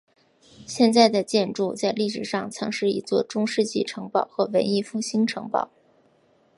现在的建筑在历史上曾是一座中世纪城堡和文艺复兴城堡。